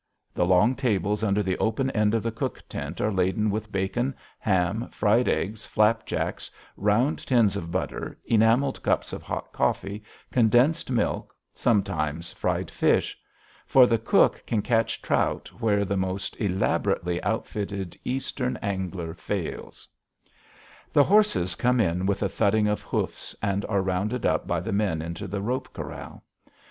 The long tables under the open end of the cook tent are laden with bacon, ham, fried eggs, flapjacks, round tins of butter, enameled cups of hot coffee, condensed milk, sometimes fried fish. For the cook can catch trout where the most elaborately outfitted Eastern angler fails. The horses come in with a thudding of hoofs and are rounded up by the men into the rope corral.